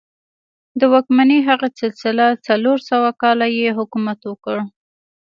د واکمنۍ هغه سلسله څلور سوه کاله یې حکومت وکړ.